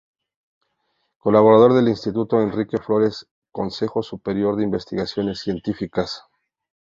Colaborador del instituto Enrique Flórez Consejo Superior de Investigaciones Científicas.